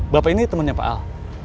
bapak ini temannya pak al